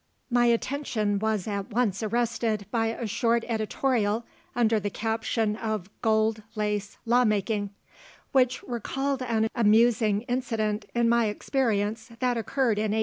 My attention was once arrested by a short editorial, under the caption of "Gold Lace Lawmaking," which recalled an amusing incident in my experience that occurred in 1856.